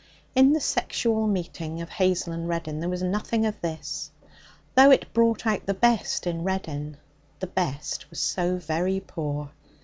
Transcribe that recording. In the sexual meeting of Hazel and Reddin there was nothing of this. Though it brought out the best in Reddin, the best was so very poor.